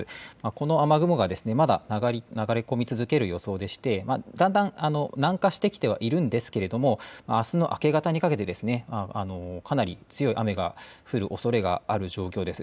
この雨雲がですねまだ流れ込み続ける予想でだんだん南下してきてはいるんですがあすの明け方にかけてですねかなり強い雨が降るおそれがある状況です。